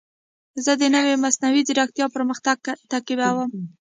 زه د نوې مصنوعي ځیرکتیا پرمختګ تعقیبوم.